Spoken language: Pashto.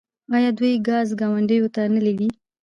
آیا دوی ګاز ګاونډیو ته نه لیږي؟